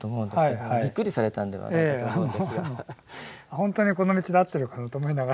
ほんとにこの道で合ってるかなと思いながら。